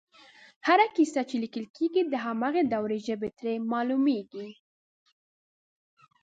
هره کیسه چې لیکل کېږي د هماغې دورې ژبه ترې معلومېږي